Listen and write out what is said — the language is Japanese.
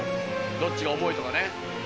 どっちが重いとかね。